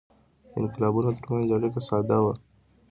د انقلابونو ترمنځ اړیکه ساده وه.